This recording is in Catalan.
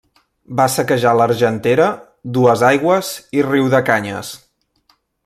Va saquejar l'Argentera, Duesaigües i Riudecanyes.